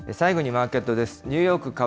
最後にマーケットです。